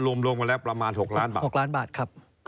รวมรวมกันแล้วประมาณ๖ล้านบาทครับ๖ล้านบาทครับ